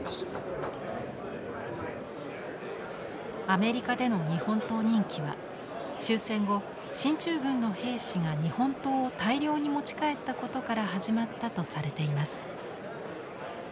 アメリカでの日本刀人気は終戦後進駐軍の兵士が日本刀を大量に持ち帰ったことから始まったとされています。